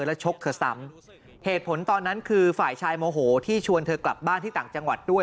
แล้วชกเธอซ้ำเหตุผลตอนนั้นคือฝ่ายชายโมโหที่ชวนเธอกลับบ้านที่ต่างจังหวัดด้วย